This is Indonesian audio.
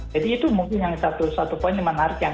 jadi itu mungkin satu poin yang menarik